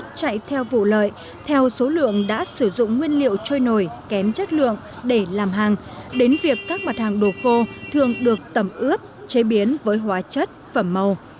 chạy theo vụ lợi theo số lượng đã sử dụng nguyên liệu trôi nổi kém chất lượng để làm hàng đến việc các mặt hàng đồ khô thường được tẩm ướp chế biến với hóa chất phẩm màu